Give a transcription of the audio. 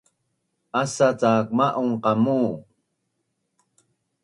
Asa cak ma’un qamu